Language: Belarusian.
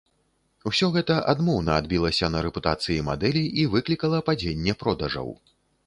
Усё гэта адмоўна адбілася на рэпутацыі мадэлі і выклікала падзенне продажаў.